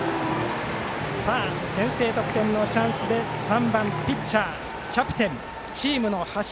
先制得点のチャンスで３番ピッチャー、キャプテンチームの柱。